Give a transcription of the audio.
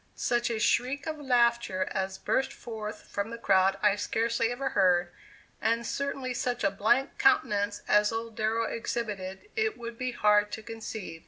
Such a shriek of laughter as burst forth from the crowd I scarcely ever heard, and certainly such a blank countenance as old Darrow exhibited it would be hard to conceive.